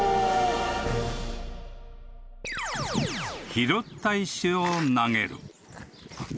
［拾った石を投げる］